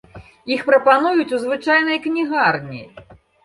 Іх прапануюць у звычайнай кнігарні.